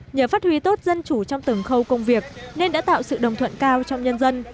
nhờ phát huy tốt dân chủ trong từng khâu công việc nên đã tạo sự đồng thuận cao trong nhân dân